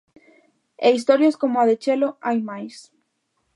E historias como a de Chelo hai máis.